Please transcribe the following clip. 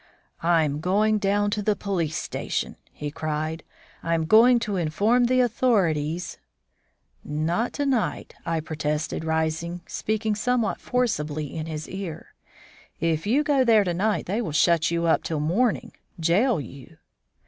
"I'm going down to the police station," he cried. "I'm going to inform the authorities " "Not to night," I protested, rising and speaking somewhat forcibly in his ear. "If you go there to night they will shut you up till morning jail you!"